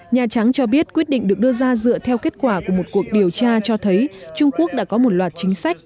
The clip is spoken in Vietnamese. nhà trắng cho biết quyết định được đưa ra dựa theo kết quả của một cuộc điều tra cho thấy trung quốc đã có một loạt chính sách